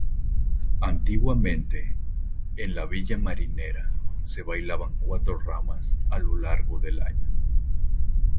Antiguamente, en la Villa Marinera se bailaban cuatro ramas a lo largo del año.